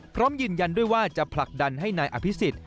พร้อมยืนยันด้วยว่าจะผลักดันให้นายอภิษฎ